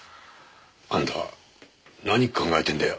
あんた何考えてんだよ？